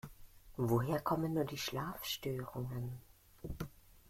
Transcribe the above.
Woher kommen nur die Schlafstörungen?